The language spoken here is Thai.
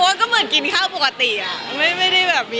หนูก็เหมือนกินข้าวปกติไม่ได้มีอะไรพิเศษ